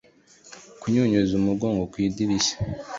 Kunyunyuza umugongo ku idirishya;